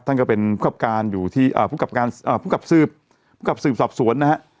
ท่านก็เป็นผู้กับสืบสอบสวนนะครับ